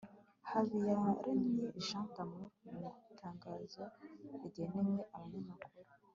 habiyaremye jean d'amour mu itangazo rigenewe abanyamakuru